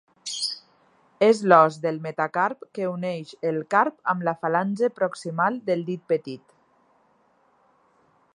És l'os del metacarp que uneix el carp amb la falange proximal del dit petit.